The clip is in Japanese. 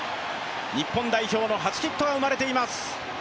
日本代表の初ヒットが生れています。